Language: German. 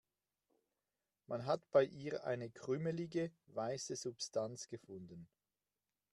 Man hat bei ihr eine krümelige, weiße Substanz gefunden.